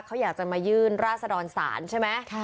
เขาอยากจะมายื่นราศดรศาลใช่ไหม